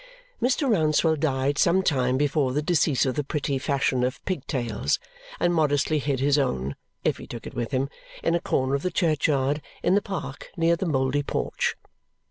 Mr. Rouncewell died some time before the decease of the pretty fashion of pig tails, and modestly hid his own (if he took it with him) in a corner of the churchyard in the park near the mouldy porch.